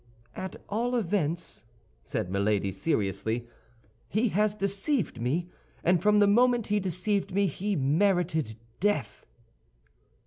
"At all events," said Milady, seriously, "he has deceived me, and from the moment he deceived me, he merited death."